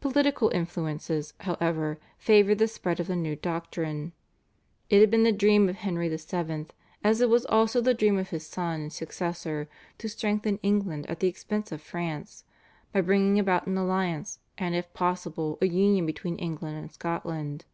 Political influences, however, favoured the spread of the new doctrine. It had been the dream of Henry VII., as it was also the dream of his son and successor, to strengthen England at the expense of France, by bringing about an alliance and if possible a union between England and Scotland.